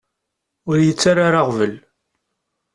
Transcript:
Ur iyi-ttara ara aɣbel.